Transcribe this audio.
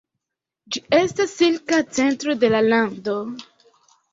Ĝi estas silka centro de la lando.